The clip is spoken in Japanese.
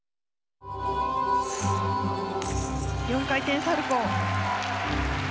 ４回転サルコウ。